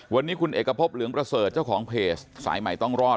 วันนี้คุณเอกพบเหลืองประเสริฐเจ้าของเพจสายใหม่ต้องรอด